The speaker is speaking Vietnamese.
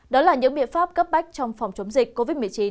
đó là những biện pháp cấp bách trong phòng chống dịch covid một mươi chín